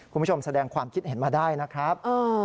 คุณผู้ชมแสดงความคิดเห็นมาได้นะครับ